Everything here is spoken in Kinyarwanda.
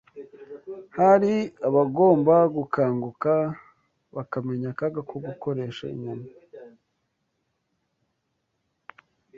Hari abagomba gukanguka bakamenya akaga ko gukoresha inyama